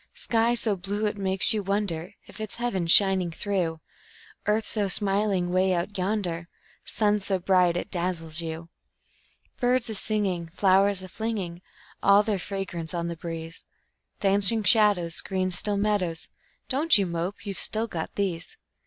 Sky so blue it makes you wonder If it's heaven shining through; Earth so smiling 'way out yonder, Sun so bright it dazzles you; Birds a singing, flowers a flinging All their fragrance on the breeze; Dancing shadows, green, still meadows Don't you mope, you've still got these.